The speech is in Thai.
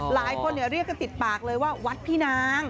หลายคนเรียกกันติดปากเลยว่าวัดพี่นาง